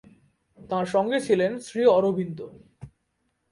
তাঁর সঙ্গে ছিলেন শ্রী অরবিন্দ।